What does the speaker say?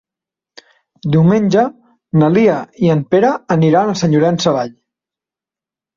Diumenge na Lia i en Pere aniran a Sant Llorenç Savall.